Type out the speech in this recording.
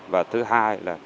và thứ hai là